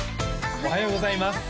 おはようございます